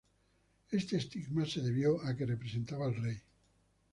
Este estigma se debió a que representaba al rey.